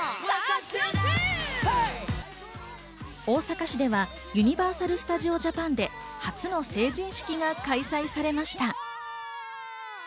大阪市ではユニバーサル・スタジオ・ジャパンで初の成人式が開催されました。